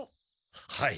はい。